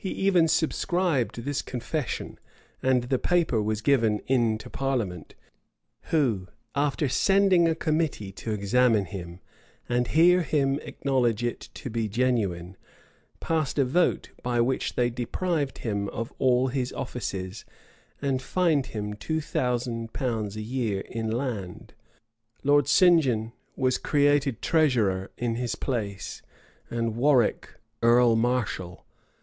[] He even subscribed this confession; and the paper was given in to parliament, who, after sending a committee to examine him, and hear him acknowledge it to be genuine, passed a vote, by which they deprived him of all his offices, and fined him two thousand pounds a year in land. Lord St. John was created treasurer in his place, and Warwick earl marshal.